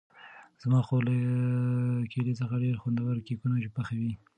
زما خور له کیلې څخه ډېر خوندور کېکونه پخوي.